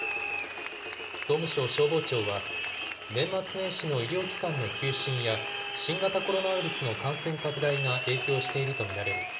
総務省消防庁は、年末年始の医療機関の休診や、新型コロナウイルスの感染拡大が影響していると見られる。